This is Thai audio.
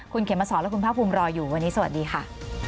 คุณเขมสอนและคุณภาคภูมิรออยู่วันนี้สวัสดีค่ะ